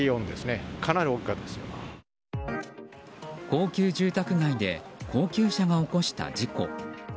高級住宅街で高級車が起こした事故。